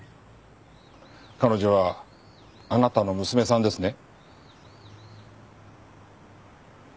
彼女はあなたの娘さんですね？